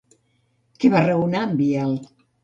Què va raonar en Biel?